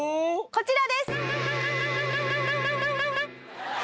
こちらです。